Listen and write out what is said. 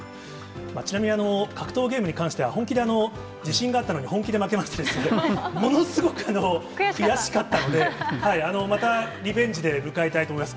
ちなみに、格闘ゲームに関しては、本気で自信があったのに本気で負けましたので、ものすごく悔しかったので、またリベンジで迎えたいと思います。